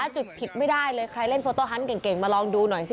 จุดผิดไม่ได้เลยใครเล่นโฟโตฮันต์เก่งมาลองดูหน่อยสิ